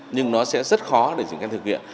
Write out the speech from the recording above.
nhưng nó sẽ rất khó để dựng cái thực hiện